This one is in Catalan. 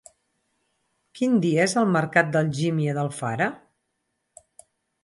Quin dia és el mercat d'Algímia d'Alfara?